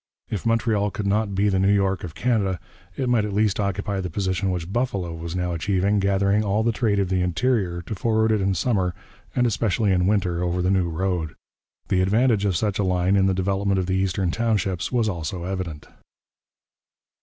If Montreal could not be the New York of Canada, it might at least occupy the position which Buffalo was now achieving, gathering all the trade of the interior to forward it in summer and especially in winter over the new road. The advantage of such a line in the development of the Eastern Townships was also evident.